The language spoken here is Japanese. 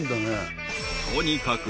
とにかく